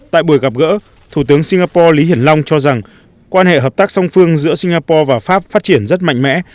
tại buổi gặp gỡ thủ tướng singapore lý hiển long cho rằng quan hệ hợp tác song phương giữa singapore và pháp phát triển rất mạnh mẽ